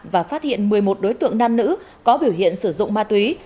và phát hiện một mươi một đối tượng nam nữ có biểu hiện sử dụng ma túy